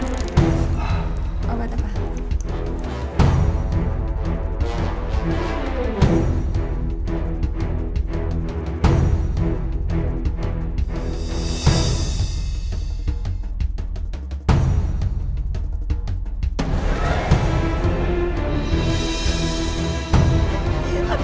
ella yang sumpah ada perasaan van von